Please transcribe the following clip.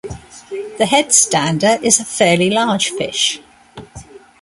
The Headstander is a fairly large fish.